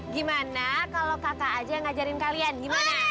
gimana kalau kakak aja yang ngajarin kalian gimana